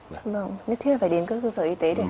vâng nhất thiết là phải đến cơ sở y tế để khám